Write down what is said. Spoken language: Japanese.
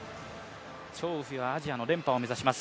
張雨霏はアジアの連覇を目指します。